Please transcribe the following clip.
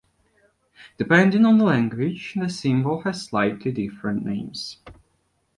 Depending on the language, the symbol has slightly different names.